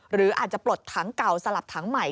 หรืออาจจะปลดถังเก่าสลับถังใหม่